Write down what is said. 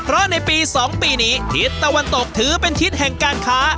เพราะในปี๒ปีนี้ทิศตะวันตกถือเป็นทิศแห่งการค้า